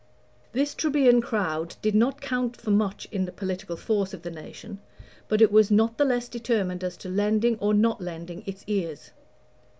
This Trebian crowd did not count for much in the political force of the nation, but it was not the less determined as to lending or not lending its ears.